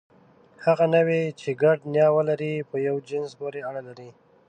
هغه نوعې، چې ګډه نیا ولري، په یوه جنس پورې اړه لري.